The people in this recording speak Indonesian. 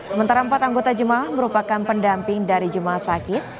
sementara empat anggota jemaah merupakan pendamping dari jemaah sakit